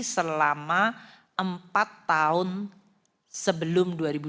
selama empat tahun sebelum dua ribu dua puluh